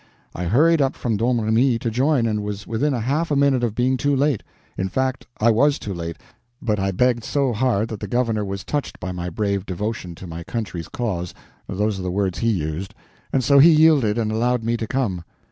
I hurried up from Domremy to join, and was within a half a minute of being too late. In fact, I was too late, but I begged so hard that the governor was touched by my brave devotion to my country's cause—those are the words he used—and so he yielded, and allowed me to come."